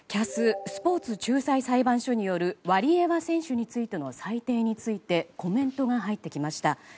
ＣＡＳ・スポーツ仲裁裁判所によるワリエワ選手についての裁定についてコメントが入ってきました。